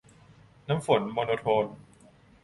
น้ำฝน โมโนโทน